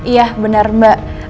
iya benar mbak